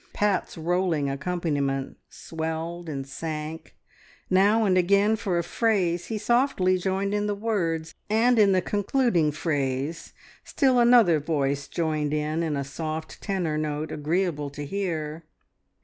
Pat's rolling accompaniment swelled and sank; now and again for a phrase he softly joined in the words, and in the concluding phrase still another voice joined in in a soft tenor note agreeable to hear.